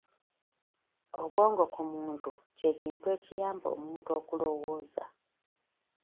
Obwongo ku muntu kye kintu ekiyamba omuntu okulowooza.